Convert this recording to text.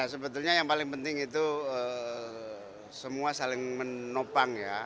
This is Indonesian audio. sebetulnya yang paling penting itu semua saling menopang ya